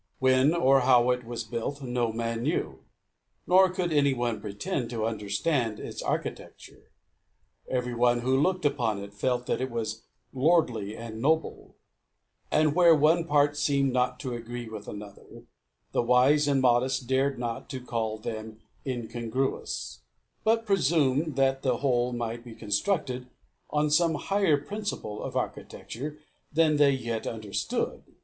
When or how it was built, no man knew; nor could any one pretend to understand its architecture. Every one who looked upon it felt that it was lordly and noble; and where one part seemed not to agree with another, the wise and modest dared not to call them incongruous, but presumed that the whole might be constructed on some higher principle of architecture than they yet understood.